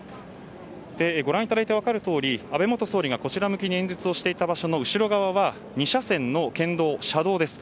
ご覧いただいて分かる通り安倍元総理がこちらを向いて演説をしていた後ろ側は２車線の県道、車道です。